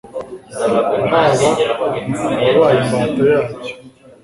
haba ababaye imbata yabyo